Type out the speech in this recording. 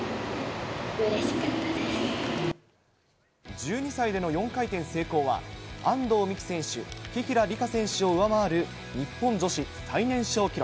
１２歳での４回転成功は安藤美姫選手、紀平梨花選手を上回る日本女子最年少記録。